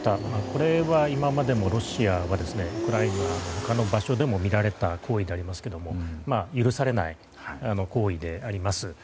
これは今までもロシアがウクライナの他の場所でも見られた行為でありますけれども許されない行為であります。